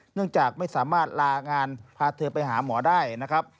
เนื่องจากไม่สามารถลางานพาเธอไปหาหมอได้นะครับ